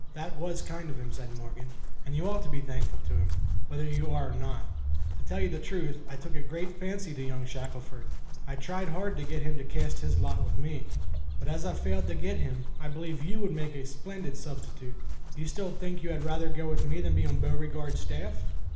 (1) "That was kind of him," said Morgan; "and you ought to be thankful to him, whether you are or not. To tell the truth, I took a great fancy to young Shackelford, and tried hard to get him to cast his lot with me. But as I failed to get him, I believe you would make a splendid substitute. You still think you had rather go with me than be on Beauregard's staff?"